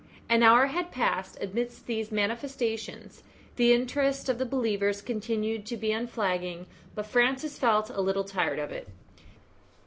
An hour had passed amidst these manifestations the interest of the believers continued to be unflagging, but Francis felt a little tired of it.